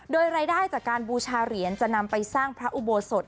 โดยรายได้จากการบูชาเหรียญจะนำไปสร้างพระอุโบสถ